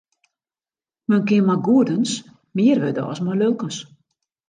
Men kin mei goedens mear wurde as mei lulkens.